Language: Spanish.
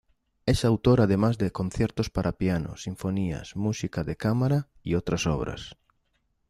Es autor además de conciertos para piano, sinfonías, música de cámara y otras obras.